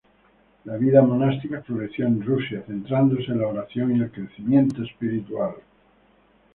La vida monástica floreció en Rusia, centrándose en la oración y el crecimiento espiritual.